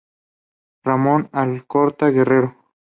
Ramón Alcorta Guerrero".